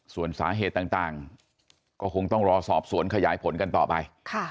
ส่วนสาเหตุต่างก็คงต้องรอสอบสวนขยายผลกันต่อไป